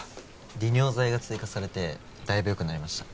利尿剤が追加されてだいぶよくなりました